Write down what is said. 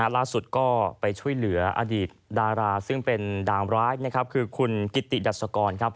ล่าสุดก็ไปช่วยเหลืออดีตดาราซึ่งเป็นดาวร้ายคือคุณกิติดัศกร